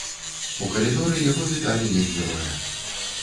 У калідоры яго віталі як героя.